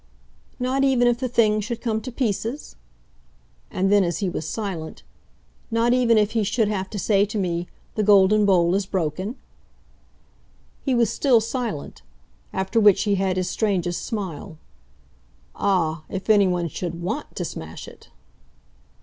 "Not even if the thing should come to pieces?" And then as he was silent: "Not even if he should have to say to me 'The Golden Bowl is broken'?" He was still silent; after which he had his strangest smile. "Ah, if anyone should WANT to smash it